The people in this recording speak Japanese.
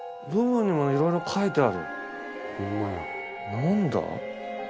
何だ？